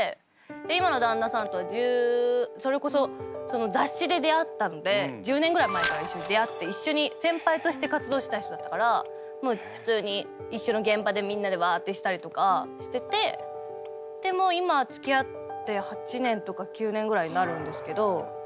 今の旦那さんとはそれこそ雑誌で出会ったので１０年ぐらい前から一緒に出会って一緒に先輩として活動してた人だったからもう普通に一緒の現場でみんなでワァってしたりとかしててでもう今はつきあって８年とか９年ぐらいになるんですけど。